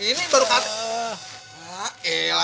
ini baru kata